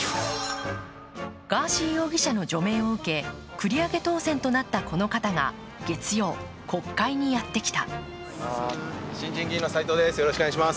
ガーシー容疑者の除名を受け繰り上げ当選となったこの方が月曜、国会にやってきた。